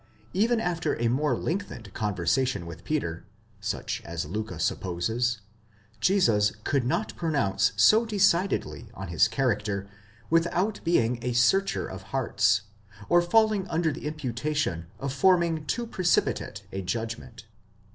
Even after a more length ened conversation with Peter, such as Liicke supposes,!° Jesus could not pronounce so decidedly on his character, without being a searcher of hearts, or falling under the imputation of forming too precipitate a judgment.